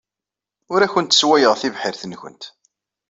Ur awent-sswayeɣ tibḥirt-nwent.